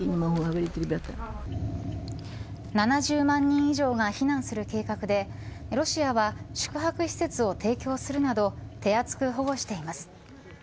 ７０万人以上が避難する計画でロシアは宿泊施設を提供するなど手厚く保護しています。